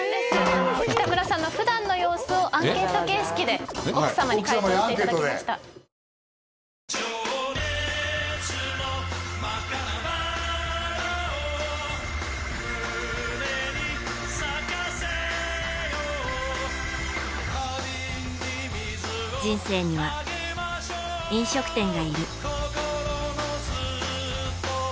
北村さんの普段の様子をアンケート形式で奥様に回答していただきました人生には、飲食店がいる。